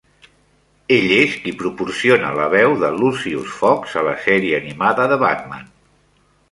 Ell és qui proporciona la veu de Lucius Fox a la sèrie animada "The Batman".